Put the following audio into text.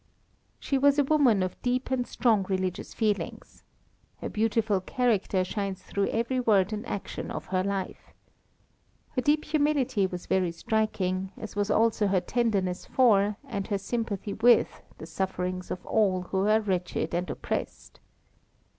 She was a woman of deep and strong religious feeling. Her beautiful character shines through every word and action of her life. Her deep humility was very striking, as was also her tenderness for, and her sympathy with, the sufferings of all who were wretched and oppressed.